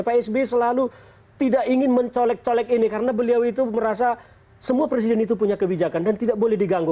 pak sby selalu tidak ingin mencolek colek ini karena beliau itu merasa semua presiden itu punya kebijakan dan tidak boleh diganggu